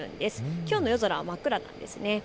きょうの夜空は真っ暗なんです。